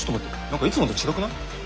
何かいつもと違くない？